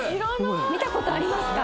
見たことありますか？